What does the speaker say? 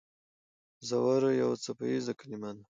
زور یو څپیزه کلمه ده.